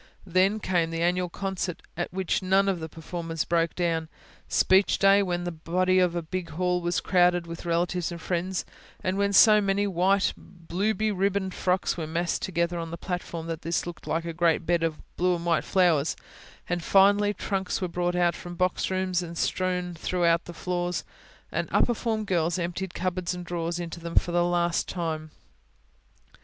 Then came the annual concert, at which none of the performers broke down; Speech Day, when the body of a big hall was crowded with relatives and friends, and when so many white, blue beribboned frocks were massed together on the platform, that this looked like a great bed of blue and white flowers; and, finally, trunks were brought out from boxrooms and strewn through the floors, and upper form girls emptied cupboards and drawers into them for the last time.